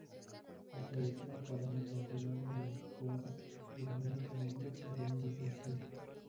La tradición pagana consideraba a los Tuatha De Danann como dioses venidos del cielo.